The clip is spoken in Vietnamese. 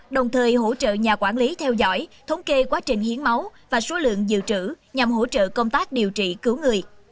đồng thời hỗ trợ nhà quản lý theo dõi thống kê quá trình hiến máu và số lượng dự trữ nhằm hỗ trợ công tác điều trị cứu người